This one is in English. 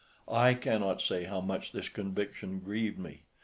I cannot say how much this conviction grieved me.